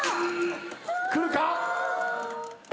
くるか？